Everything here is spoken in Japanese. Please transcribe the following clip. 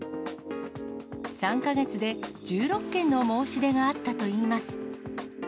３か月で１６件の申し出があったといいます。